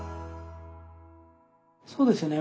そうですね